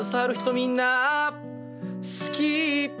みんな好き」